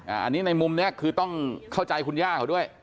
อันนี้ในมุมนี้คือต้องเข้าใจคุณย่าเขาด้วย